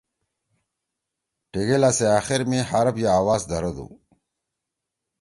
ٹیلگا سی آخر می حرف یا آواز دھردُو۔